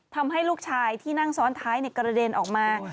ทำให้ลูกชายที่นั่งซ้อนท้ายกระเด็นออกมา